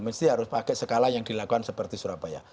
mesti harus pakai skala yang dilakukan seperti surabaya